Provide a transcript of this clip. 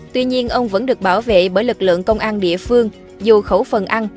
tuy nhiên ông vẫn được bảo vệ bởi lực lượng công an địa phương dù khẩu phần ăn